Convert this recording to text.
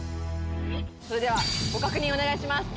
それではご確認をお願いします